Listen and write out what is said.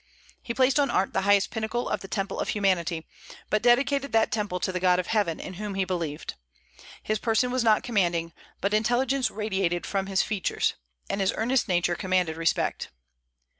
He placed art on the highest pinnacle of the temple of humanity, but dedicated that temple to the God of heaven in whom he believed. His person was not commanding, but intelligence radiated from his features, and his earnest nature commanded respect.